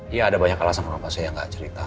iya ada banyak alasan kenapa saya nggak cerita